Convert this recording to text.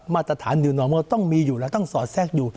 มาตรฐานอยู่หนองว่าต้องมีอยู่แล้วต้องสอดแทรกอยู่